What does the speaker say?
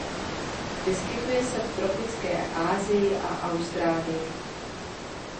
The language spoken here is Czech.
Vyskytuje se v tropické Asii a Austrálii.